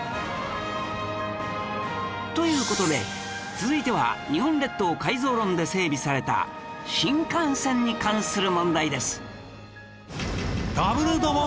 という事で続いては日本列島改造論で整備された新幹線に関する問題です